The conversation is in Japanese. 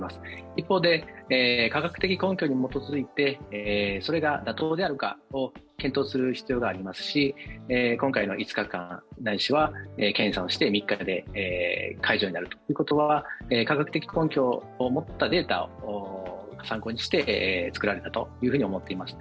一方で、科学的根拠に基づいてそれが妥当であるかを検討する必要がありますし、今回の５日間、ないしは検査をして３日で解除になるということは科学的根拠を持ったデータを参考にしてつくられたと思っています。